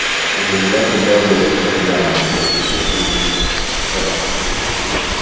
Sehemu yake ndogo huitwa "gramu" kwa kifupi "g".